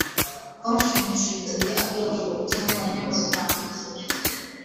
Konshens yagiye agaruka ku byo yabonye mu Rwanda